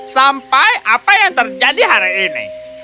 sampai apa yang terjadi hari ini